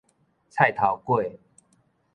菜頭粿